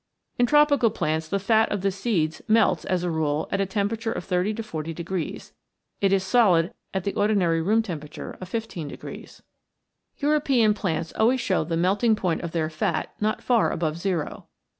In tropical plants the fat of the seeds melts as a rule at a temperature of 30 to 40 degrees. It is solid at the ordinary room temperature of 15 degrees. European plants always show the melting point of their fat not far above zero.